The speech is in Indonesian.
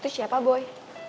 itu siapa boy